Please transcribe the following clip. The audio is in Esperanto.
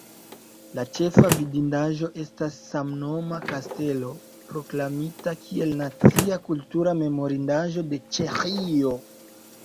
La ĉefa vidindaĵo estas samnoma kastelo, proklamita kiel Nacia kultura memorindaĵo de Ĉeĥio.